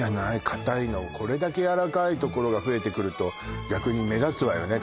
かたいのこれだけやわらかいところが増えてくると逆に目立つわよね